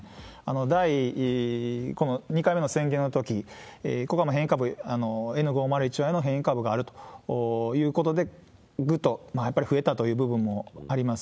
第２回目の宣言のとき、ここの変異株、Ｎ５０１Ｙの変異株があるということで、ぐっとやっぱり増えたという部分もあります。